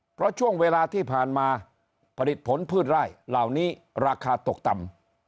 เพราะช่วงเวลาที่ผ่านมาผลิตผลพืชไร่เหล่านี้ราคาตกต่ำ